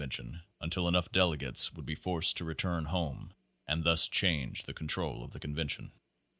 Page Seven tion until enough delegates would be forced to return home and thus change the control of the convention.